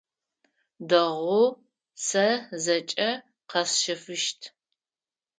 Дэгъу, сэ зэкӏэ къэсщэфыщт.